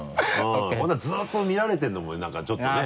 ずっと見られてるのも何かちょっとね。